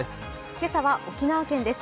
今朝は沖縄県です。